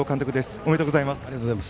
おめでとうございます。